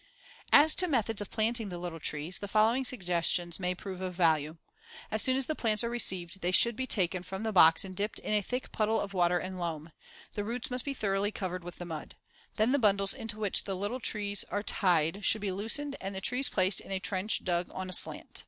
As to methods of planting the little trees, the following suggestions may prove of value. As soon as the plants are received, they should be taken from the box and dipped in a thick puddle of water and loam. The roots must be thoroughly covered with the mud. Then the bundles into which the little trees are tied should be loosened and the trees placed in a trench dug on a slant.